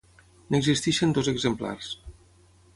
N'existeixen dos exemplars.